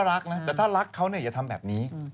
แต่ถ้ารักเขาอย่าทำแบบนี้